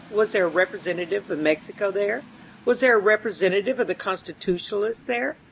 Was there a representative of Mexico there? Was there a representative of the Constitutionalists there?